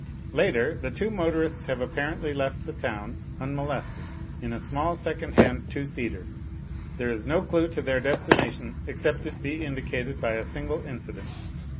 "Later. The two motorists have apparently left the town, unmolested, in a small second hand two seater. There is no clue to their destination, except it be indicated by a smgle incident.